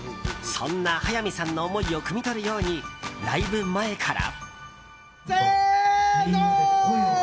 そんな早見さんの思いをくみ取るように、ライブ前から。